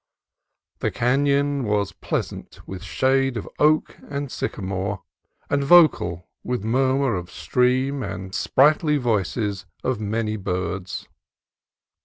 The canon was pleasant with shade of oak and sycamore, and vocal with murmur of stream and sprightly voices of many birds.